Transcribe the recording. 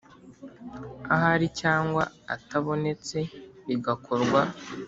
Ahari cyangwa atabonetse bigakorwa